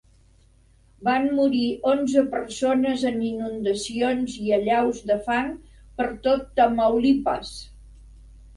Van morir onze persones en inundacions i allaus de fang per tot Tamaulipas.